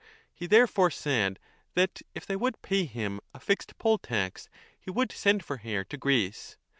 He therefore said that, if they would pay him a fixed poll tax, he would send for hair to Greece.